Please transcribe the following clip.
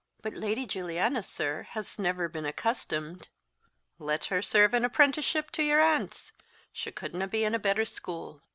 "But Lady Juliana, sir, has never been accustomed " "Let her serve an apprenticeship to your aunts; she couldna be in a better school."